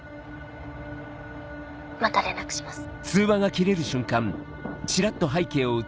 また連絡します。